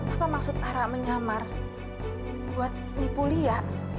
apa maksud ara menyamar buat nipulia